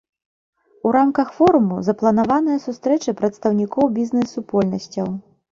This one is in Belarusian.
У рамках форуму запланаваныя сустрэчы прадстаўнікоў бізнэс-супольнасцяў.